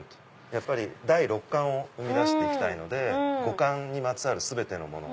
やっぱり第六感を生み出して行きたいので五感にまつわる全てのもの